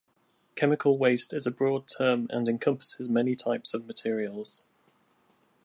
Chemical waste is a broad term and encompasses many types of materials.